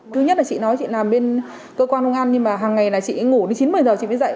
thứ nhất là chị nói chị làm bên cơ quan công an nhưng mà hằng ngày là chị ngủ đến chín một mươi giờ chị mới dậy